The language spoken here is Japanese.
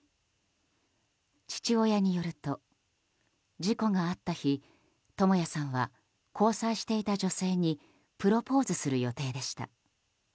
父親によると、事故があった日智也さんは交際していた女性にプロポーズする予定でした。